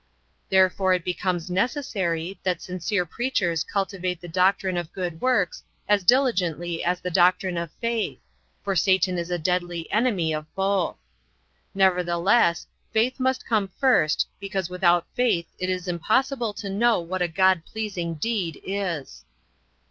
Therefore it becomes necessary that sincere preachers cultivate the doctrine of good works as diligently as the doctrine of faith, for Satan is a deadly enemy of both. Nevertheless faith must come first because without faith it is impossible to know what a God pleasing deed is.